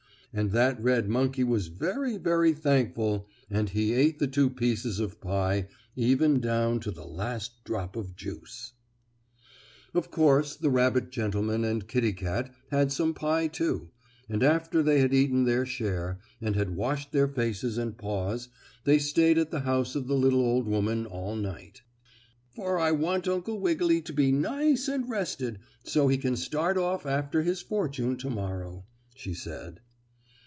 And that red monkey was very, very thankful, and he ate the two pieces of pie, even down to the last drop of juice. Illustration: Uncle Wiggily's Fortune Of course the rabbit gentleman and Kittie Kat had some pie too, and, after they had eaten their share, and had washed their faces and paws they stayed at the house of the little old woman all night. "For I want Uncle Wiggily to be nice and rested so he can start off after his fortune to morrow," she said.